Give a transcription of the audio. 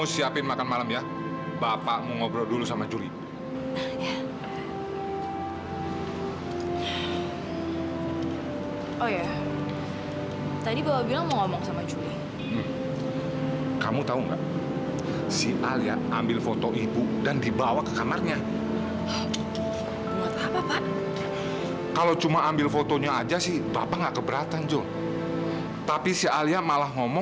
sampai jumpa di video selanjutnya